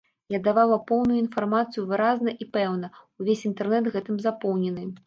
Я давала поўную інфармацыю выразна і пэўна, увесь інтэрнэт гэтым запоўнены.